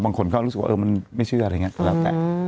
บางคนก็รู้สึกว่ามันไม่เชื่ออะไรอย่างนี้ก็แล้วแต่